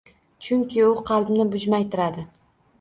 Chunki u qalbni bujmaytiradi.